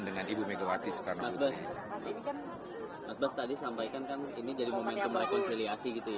mas bas tadi sampaikan kan ini jadi momentum rekonsiliasi gitu ya